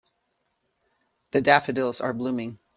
The daffodils are blooming.